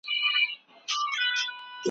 د بربنډ تن پټ کړئ.